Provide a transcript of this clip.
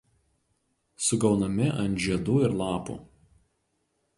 Sugaunami ant žiedų ir lapų.